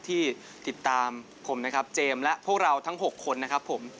ที่ติดตามผมนะครับเจมส์และพวกเราทั้ง๖คนนะครับผม